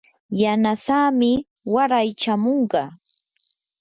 yanasamii waray chamunqa.